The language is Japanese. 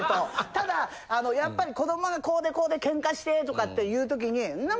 ただやっぱり子どもがこうでこうでケンカしてとかっていうときに。